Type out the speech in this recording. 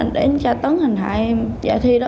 đến cho tấn hình hại giải thi